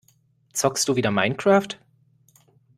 Zockst du wieder Minecraft?